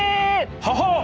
ははっ！